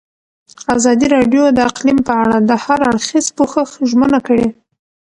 ازادي راډیو د اقلیم په اړه د هر اړخیز پوښښ ژمنه کړې.